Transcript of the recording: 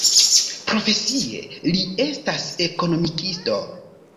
Profesie li estas ekonomikisto.